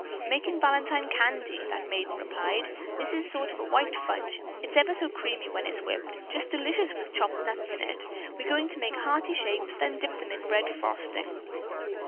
"Making Valentine candy," that maiden replied. "This is a sort of a white fudge. It's ever so creamy when it's whipped. Just delicious with chopped nuts in it. We're going to make heart shapes, then dip them in red frosting."